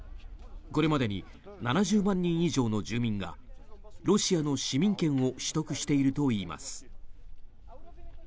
これまでに７０万人以上の住民がロシアの市民権を取得しているといいます。